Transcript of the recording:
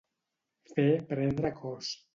Fer prendre cos.